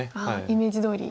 イメージどおり。